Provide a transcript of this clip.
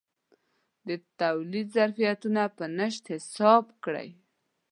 د تولید ظرفیتونه په نشت حساب وي.